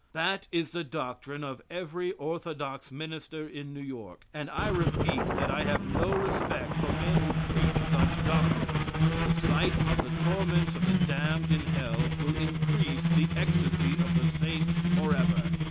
That is the doctrine of every orthodox minister in New York, and I repeat that I have no respect for men who preach such doctrines. The sight of the torments of the damned in hell will increase the ecstasy of the saints forever!